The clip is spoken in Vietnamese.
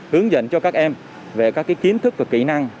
hướng dẫn cho các em về các kiến thức và kỹ năng